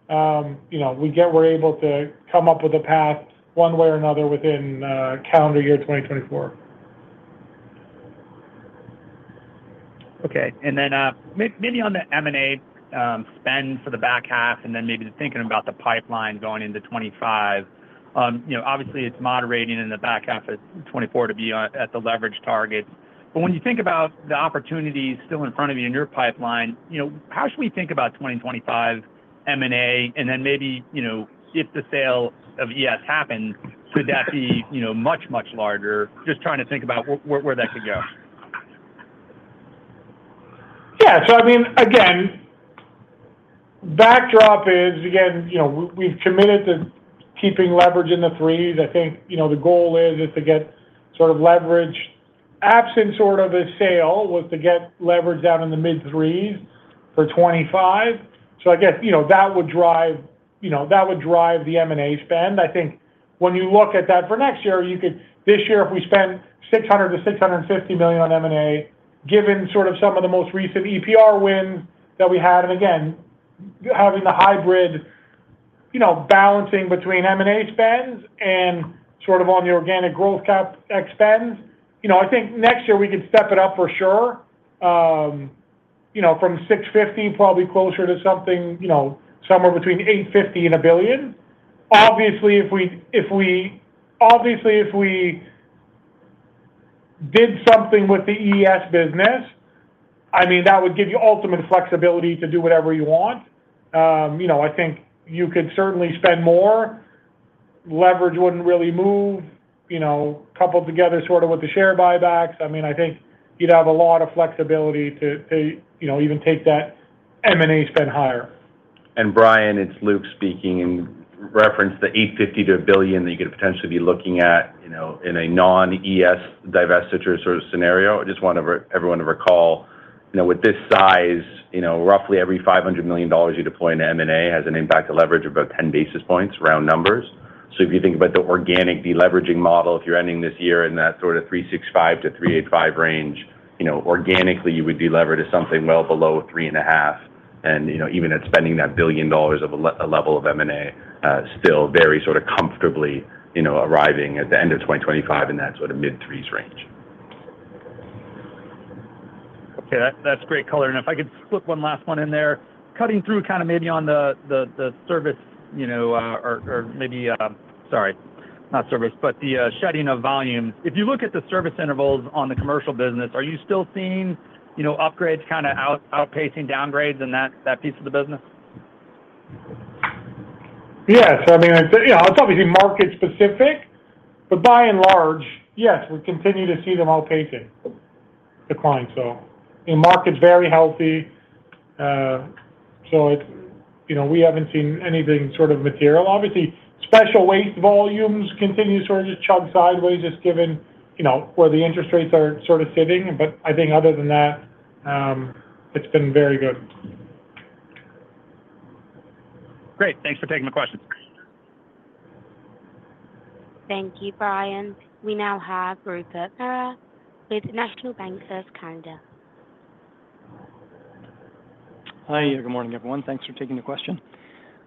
Speaker 2: we're able to come up with a path one way or another within calendar year 2024.
Speaker 11: Okay. And then maybe on the M&A spend for the back half and then maybe thinking about the pipeline going into 2025, obviously it's moderating in the back half of 2024 to be at the leverage targets. But when you think about the opportunities still in front of you in your pipeline, how should we think about 2025 M&A? And then maybe if the sale of ES happens, could that be much, much larger? Just trying to think about where that could go.
Speaker 2: Yeah. So I mean, again, backdrop is, again, we've committed to keeping leverage in the 3s. I think the goal is to get sort of leverage absent sort of a sale was to get leverage out in the mid-3s for 2025. So I guess that would drive the M&A spend. I think when you look at that for next year, this year, if we spend $600 million-$650 million on M&A, given sort of some of the most recent EPR wins that we had, and again, having the hybrid balancing between M&A spends and sort of on the organic growth CapEx, I think next year we could step it up for sure from $650 million, probably closer to something somewhere between $850 million and $1 billion. Obviously, if we did something with the ES business, I mean, that would give you ultimate flexibility to do whatever you want. I think you could certainly spend more. Leverage wouldn't really move coupled together sort of with the share buybacks. I mean, I think you'd have a lot of flexibility to even take that M&A spend higher.
Speaker 3: Brian, it's Luke speaking in reference to $850 million-$1 billion that you could potentially be looking at in a non-ES divestiture sort of scenario. I just want everyone to recall with this size, roughly every $500 million you deploy into M&A has an impact to leverage of about 10 basis points around numbers. So if you think about the organic deleveraging model, if you're ending this year in that sort of 365-385 range, organically you would deleverage something well below 3.5. And even at spending that $1 billion of a level of M&A, still very sort of comfortably arriving at the end of 2025 in that sort of mid-threes range.
Speaker 11: Okay. That's great color. If I could slip one last one in there, cutting through kind of maybe on the service or maybe sorry, not service, but the shedding of volumes. If you look at the service intervals on the commercial business, are you still seeing upgrades kind of outpacing downgrades in that piece of the business?
Speaker 2: Yeah. So I mean, it's obviously market-specific, but by and large, yes, we continue to see them outpacing decline. So the market's very healthy. So we haven't seen anything sort of material. Obviously, special waste volumes continue sort of to chug sideways just given where the interest rates are sort of sitting. But I think other than that, it's been very good.
Speaker 11: Great. Thanks for taking the questions.
Speaker 4: Thank you, Brian. We now have Rupert Merer with National Bank Financial.
Speaker 12: Hi. Good morning, everyone. Thanks for taking the question.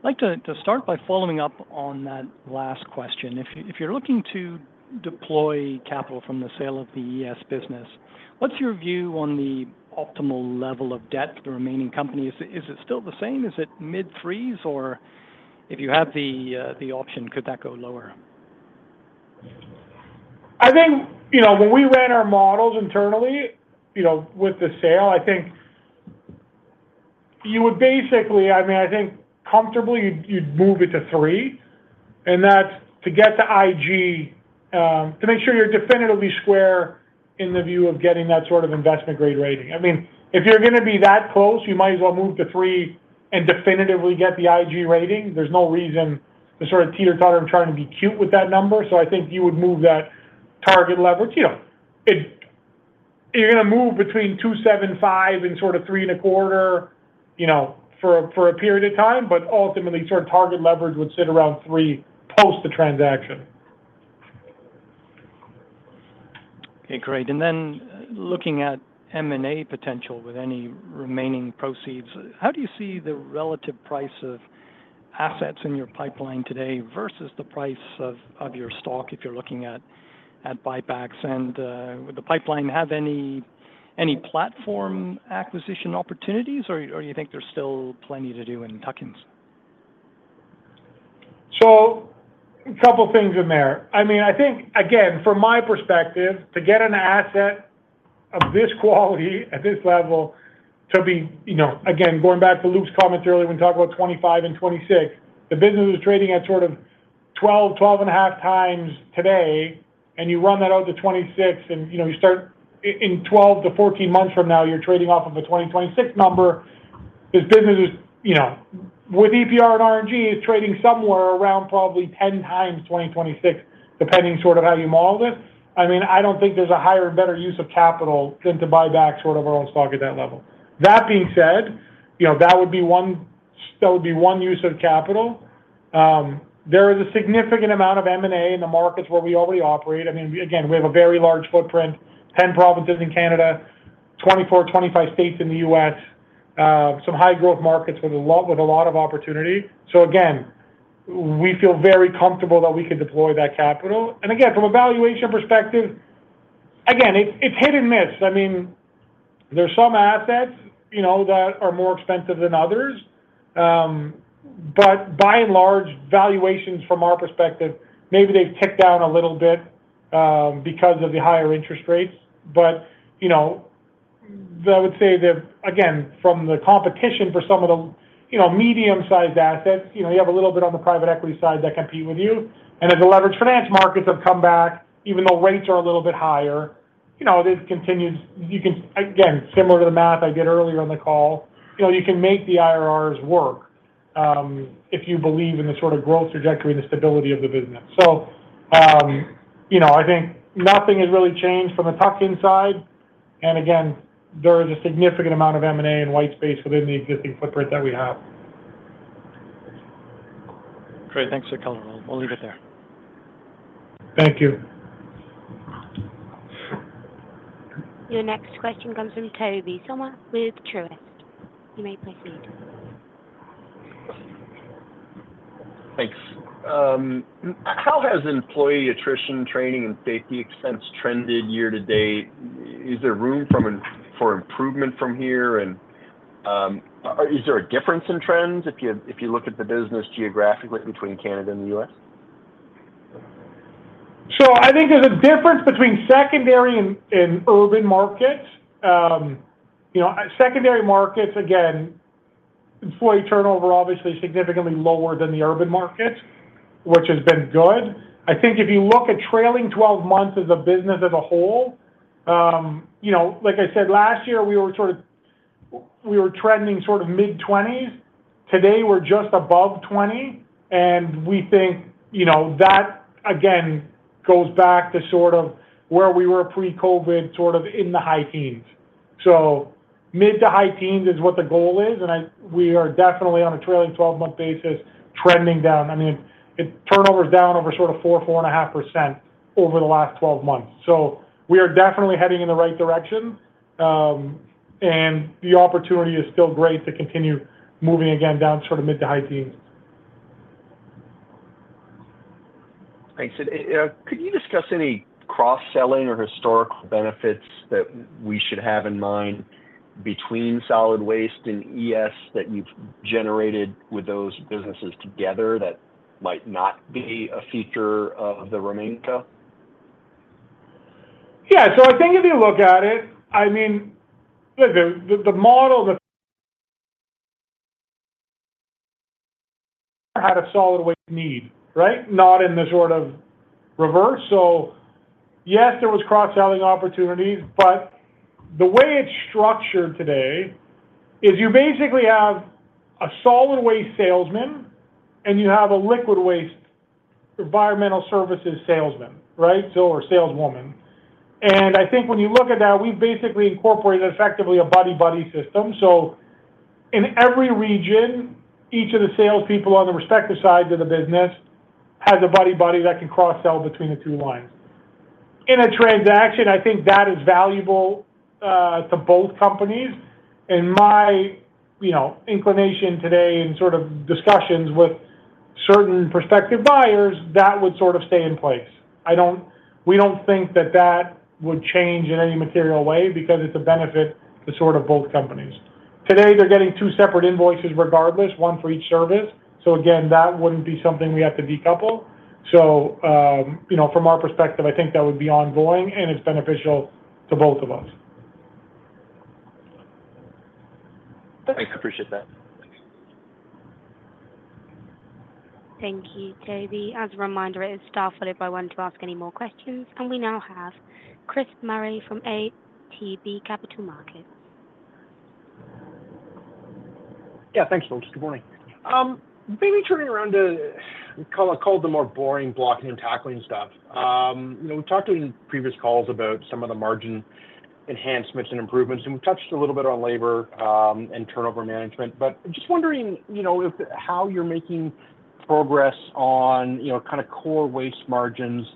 Speaker 12: I'd like to start by following up on that last question. If you're looking to deploy capital from the sale of the ES business, what's your view on the optimal level of debt for the remaining company? Is it still the same? Is it mid-threes? Or if you have the option, could that go lower?
Speaker 2: I think when we ran our models internally with the sale, I think you would basically, I mean, I think comfortably you'd move it to 3. And that's to get the IG to make sure you're definitively square in the view of getting that sort of investment-grade rating. I mean, if you're going to be that close, you might as well move to 3 and definitively get the IG rating. There's no reason to sort of teeter-totter and try to be cute with that number. So I think you would move that target leverage. You're going to move between 2.75 and sort of 3.25 for a period of time, but ultimately sort of target leverage would sit around 3 post the transaction.
Speaker 12: Okay. Great. And then looking at M&A potential with any remaining proceeds, how do you see the relative price of assets in your pipeline today versus the price of your stock if you're looking at buybacks? And with the pipeline, have any platform acquisition opportunities, or do you think there's still plenty to do in tuck-ins?
Speaker 2: So a couple of things in there. I mean, I think, again, from my perspective, to get an asset of this quality at this level to be, again, going back to Luke's comments earlier when we talked about 2025 and 2026, the business is trading at sort of 12, 12.5 times today, and you run that out to 2026, and you start in 12-14 months from now, you're trading off of a 2026 number. This business is with EPR and RNG is trading somewhere around probably 10 times 2026, depending sort of how you model this. I mean, I don't think there's a higher and better use of capital than to buy back sort of our own stock at that level. That being said, that would be one that would be one use of capital. There is a significant amount of M&A in the markets where we already operate. I mean, again, we have a very large footprint, 10 provinces in Canada, 24, 25 states in the U.S., some high-growth markets with a lot of opportunity. Again, we feel very comfortable that we could deploy that capital. Again, from a valuation perspective, again, it's hit and miss. I mean, there's some assets that are more expensive than others, but by and large, valuations from our perspective, maybe they've ticked down a little bit because of the higher interest rates. I would say that, again, from the competition for some of the medium-sized assets, you have a little bit on the private equity side that compete with you. As the leveraged finance markets have come back, even though rates are a little bit higher, this continues. Again, similar to the math I did earlier on the call, you can make the IRRs work if you believe in the sort of growth trajectory and the stability of the business. I think nothing has really changed from the tuck-ins side. Again, there is a significant amount of M&A and white space within the existing footprint that we have.
Speaker 12: Great. Thanks for the color. We'll leave it there.
Speaker 2: Thank you.
Speaker 4: Your next question comes from Tobey Sommer with Truist. You may proceed.
Speaker 13: Thanks. How has employee attrition, training, and safety expense trended year to date? Is there room for improvement from here? And is there a difference in trends if you look at the business geographically between Canada and the US?
Speaker 2: So I think there's a difference between secondary and urban markets. Secondary markets, again, employee turnover obviously is significantly lower than the urban markets, which has been good. I think if you look at trailing 12 months as a business as a whole, like I said, last year we were trending sort of mid-20s. Today we're just above 20. And we think that, again, goes back to sort of where we were pre-COVID sort of in the high teens. So mid to high teens is what the goal is. And we are definitely on a trailing 12-month basis trending down. I mean, turnover is down over sort of 4%-4.5% over the last 12 months. So we are definitely heading in the right direction. And the opportunity is still great to continue moving again down sort of mid to high teens.
Speaker 13: Thanks. Could you discuss any cross-selling or historical benefits that we should have in mind between solid waste and ES that you've generated with those businesses together that might not be a feature of the remainder?
Speaker 2: Yeah. So I think if you look at it, I mean, the model had a solid waste need, right? Not in the sort of reverse. So yes, there was cross-selling opportunities, but the way it's structured today is you basically have a solid waste salesman, and you have a liquid waste environmental services salesman, right? Or saleswoman. And I think when you look at that, we've basically incorporated effectively a buddy-buddy system. So in every region, each of the salespeople on the respective side of the business has a buddy-buddy that can cross-sell between the two lines. In a transaction, I think that is valuable to both companies. And my inclination today in sort of discussions with certain prospective buyers, that would sort of stay in place. We don't think that that would change in any material way because it's a benefit to sort of both companies. Today, they're getting two separate invoices regardless, one for each service. So again, that wouldn't be something we have to decouple. So from our perspective, I think that would be ongoing, and it's beneficial to both of us.
Speaker 13: Thanks. Appreciate that.
Speaker 4: Thank you, Tobey. As a reminder, it is Star 1 if I want to ask any more questions. We now have Chris Murray from ATB Capital Markets.
Speaker 14: Yeah. Thanks, folks. Good morning. Maybe turning around to call it the more boring blocking and tackling stuff. We've talked in previous calls about some of the margin enhancements and improvements. We've touched a little bit on labor and turnover management. But just wondering how you're making progress on kind of core waste margins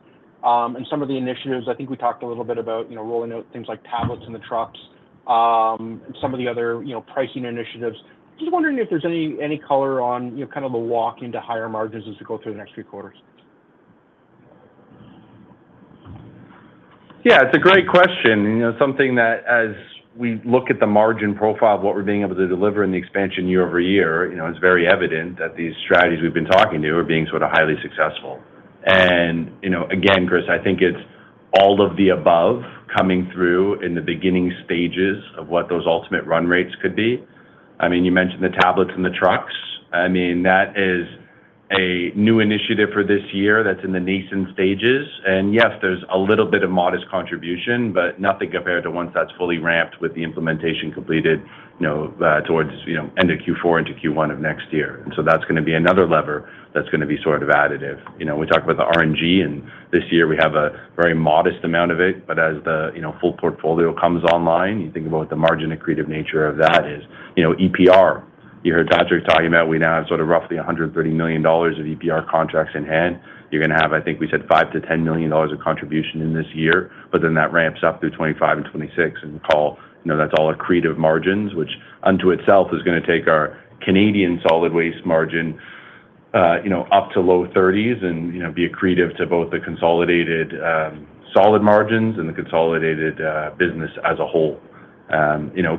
Speaker 14: and some of the initiatives. I think we talked a little bit about rolling out things like tablets in the trucks and some of the other pricing initiatives. Just wondering if there's any color on kind of the walk into higher margins as we go through the next few quarters.
Speaker 3: Yeah. It's a great question. Something that, as we look at the margin profile of what we're being able to deliver in the expansion year-over-year, it's very evident that these strategies we've been talking to are being sort of highly successful. And again, Chris, I think it's all of the above coming through in the beginning stages of what those ultimate run rates could be. I mean, you mentioned the tablets in the trucks. I mean, that is a new initiative for this year that's in the nascent stages. And yes, there's a little bit of modest contribution, but nothing compared to once that's fully ramped with the implementation completed towards end of Q4 into Q1 of next year. And so that's going to be another lever that's going to be sort of additive. We talked about the RNG, and this year we have a very modest amount of it. But as the full portfolio comes online, you think about what the margin and creative nature of that is. EPR, you heard Patrick talking about, we now have sort of roughly $130 million of EPR contracts in hand. You're going to have, I think we said, $5 million-$10 million of contribution in this year. But then that ramps up through 2025 and 2026. And recall, that's all accretive margins, which unto itself is going to take our Canadian solid waste margin up to low 30s and be accretive to both the consolidated solid margins and the consolidated business as a whole.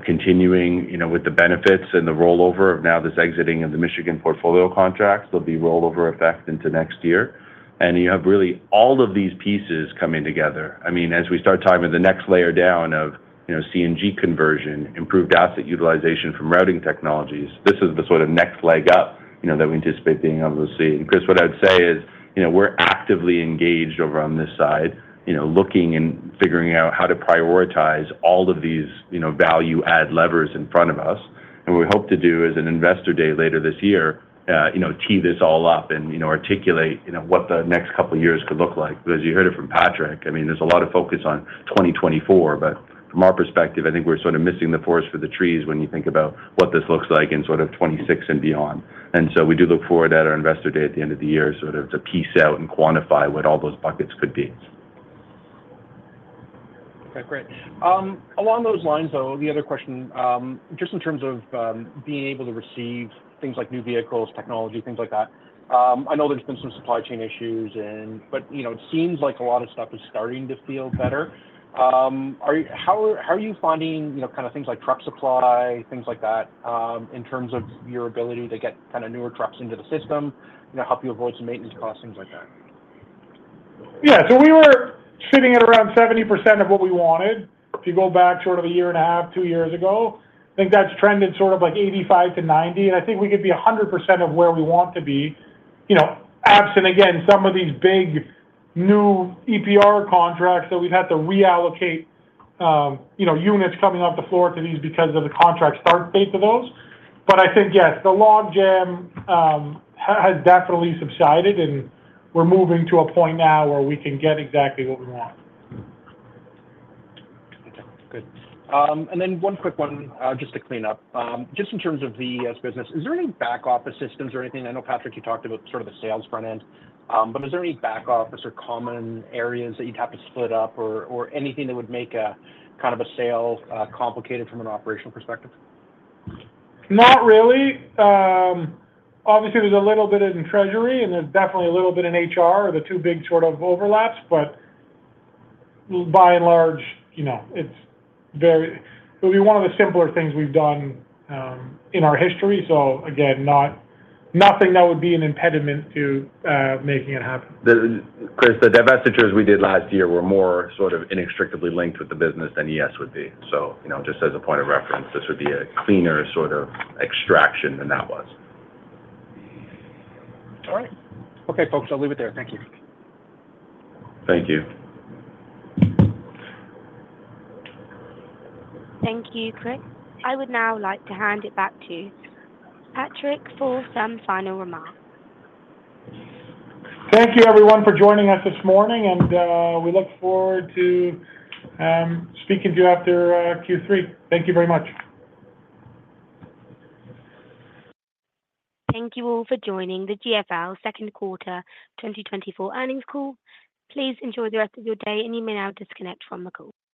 Speaker 3: Continuing with the benefits and the rollover of now this exiting of the Michigan portfolio contracts, there'll be rollover effect into next year. You have really all of these pieces coming together. I mean, as we start talking about the next layer down of CNG conversion, improved asset utilization from routing technologies, this is the sort of next leg up that we anticipate being able to see. Chris, what I would say is we're actively engaged over on this side, looking and figuring out how to prioritize all of these value-add levers in front of us. What we hope to do is, at Investor Day later this year, tee this all up and articulate what the next couple of years could look like. Because you heard it from Patrick, I mean, there's a lot of focus on 2024. But from our perspective, I think we're sort of missing the forest for the trees when you think about what this looks like in sort of 2026 and beyond. And so we do look forward at our Investor Day at the end of the year sort of to piece out and quantify what all those buckets could be.
Speaker 14: Okay. Great. Along those lines, though, the other question, just in terms of being able to receive things like new vehicles, technology, things like that, I know there's been some supply chain issues, but it seems like a lot of stuff is starting to feel better. How are you finding kind of things like truck supply, things like that, in terms of your ability to get kind of newer trucks into the system, help you avoid some maintenance costs, things like that?
Speaker 2: Yeah. So we were sitting at around 70% of what we wanted. If you go back sort of a year and a half, two years ago, I think that's trended sort of like 85%-90%. And I think we could be 100% of where we want to be, absent, again, some of these big new EPR contracts that we've had to reallocate units coming off the floor to these because of the contract start date to those. But I think, yes, the log jam has definitely subsided, and we're moving to a point now where we can get exactly what we want.
Speaker 14: Okay. Good. And then one quick one, just to clean up. Just in terms of the business, is there any back-office systems or anything? I know, Patrick, you talked about sort of the sales front end, but is there any back-office or common areas that you'd have to split up or anything that would make kind of a sale complicated from an operational perspective?
Speaker 2: Not really. Obviously, there's a little bit in treasury, and there's definitely a little bit in HR, the two big sort of overlaps. But by and large, it's very it would be one of the simpler things we've done in our history. So again, nothing that would be an impediment to making it happen.
Speaker 3: Chris, the divestitures we did last year were more sort of inextricably linked with the business than ES would be. Just as a point of reference, this would be a cleaner sort of extraction than that was.
Speaker 14: All right. Okay, folks. I'll leave it there. Thank you.
Speaker 3: Thank you.
Speaker 4: Thank you, Chris. I would now like to hand it back to Patrick for some final remarks.
Speaker 2: Thank you, everyone, for joining us this morning. We look forward to speaking to you after Q3. Thank you very much.
Speaker 4: Thank you all for joining the GFL second quarter 2024 earnings call. Please enjoy the rest of your day, and you may now disconnect from the call.